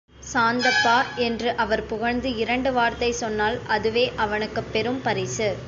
சாந்தப்பா! என்று அவர் புகழ்ந்து இரண்டு வார்த்தை சொன்னால், அதுவே அவனுக்குப் பெரும் பரிசு.